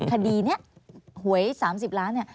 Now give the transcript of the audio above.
คดีนี้หวย๓๐ล้าน